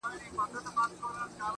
• هغه ښايسته بنگړى په وينو ســـور دى.